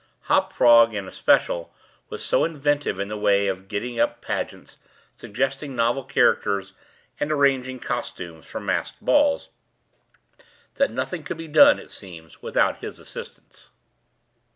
Hop Frog, in especial, was so inventive in the way of getting up pageants, suggesting novel characters, and arranging costumes, for masked balls, that nothing could be done, it seems, without his assistance.